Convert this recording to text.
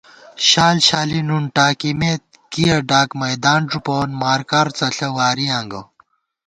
شال شالی نُن ٹاکِمېت کِیَہ ڈاک میدان ݫُپَوون مارکارڅݪہ وارِیاں گہ